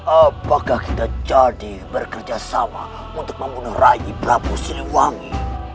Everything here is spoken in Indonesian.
apakah kita jadi bekerjasama untuk membunuh rai prabu siliwangi